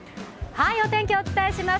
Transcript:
お天気をお伝えします。